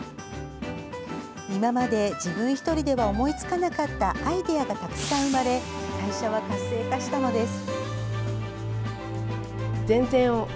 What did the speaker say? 今まで自分１人では思いつかなかったアイデアがたくさん生まれ会社は活性化したのです。